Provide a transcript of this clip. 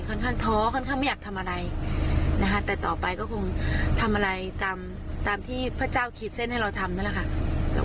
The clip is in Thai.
ค่อนข้างท้อค่อนข้างไม่อยากทำอะไรนะคะแต่ต่อไปก็คงทำอะไรตามตามที่พระเจ้าคิดเส้นให้เราทำนั่นแหละค่ะ